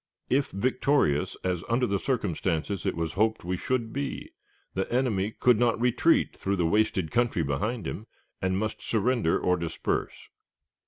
If victorious, as under the circumstances it was hoped we should be, the enemy could not retreat through the wasted country behind him, and must surrender or disperse.